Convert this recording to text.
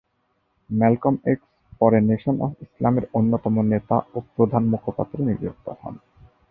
Malcolm X পরে nation of ইসলামের অন্যতম নেতা ও প্রধান মুখপাত্র নিযুক্ত হন।